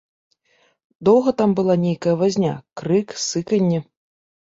Доўга там была нейкая вазня, крык, сыканне.